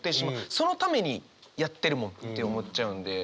そのためにやってるもんって思っちゃうんで。